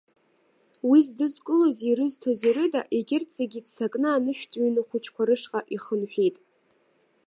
Уи здызкылози ирызҭози рыда, егьырҭ зегьы иццакны анышәтәҩны хәыҷқәа рышҟа ихынҳәит.